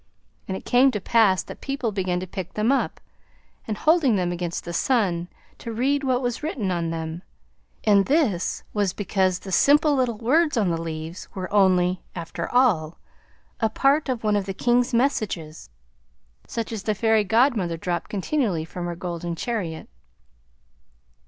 And it came to pass that people began to pick them up, and holding them against the sun, to read what was written on them, and this was because the simple little words on the leaves were only, after all, a part of one of the King's messages, such as the Fairy Godmother dropped continually from her golden chariot.